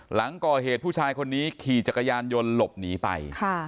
หลังก่อเหตุผู้ชายคนนี้ขี่จักรยานยนต์หลบหนีไป